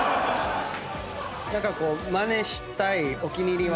何かまねしたいお気に入りは？